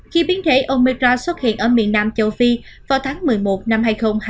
khi biến thể omira xuất hiện ở miền nam châu phi vào tháng một mươi một năm hai nghìn hai mươi